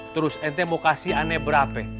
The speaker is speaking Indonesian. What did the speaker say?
terus ente mau kasih aneh berapa